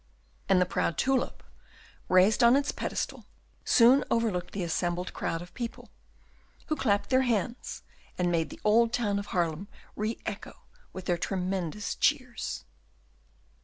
And the proud tulip, raised on its pedestal, soon overlooked the assembled crowd of people, who clapped their hands, and made the old town of Haarlem re echo with their tremendous cheers.